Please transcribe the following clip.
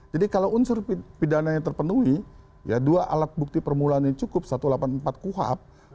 jadi kalau unsur pidana yang terpenuhi dua alat bukti permulaan yang cukup satu ratus delapan puluh empat kuhab